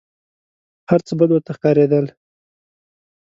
هر څه بد ورته ښکارېدل .